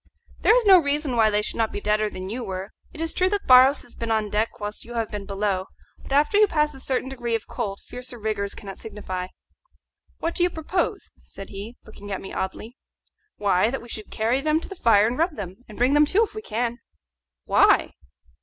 "There is no reason why they should be deader than you were. It is true that Barros has been on deck whilst you have been below; but after you pass a certain degree of cold fiercer rigours cannot signify." "What do you propose?" said he, looking at me oddly. "Why, that we should carry them to the fire and rub them, and bring them to if we can." "Why?"